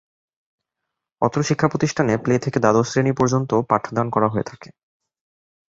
অত্র শিক্ষা প্রতিষ্ঠানে প্লে থেকে দ্বাদশ শ্রেণি পর্যন্ত পাঠদান করা হয়ে থাকে।